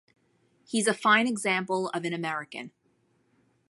He's a fine example of an American.